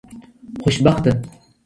خوشبخته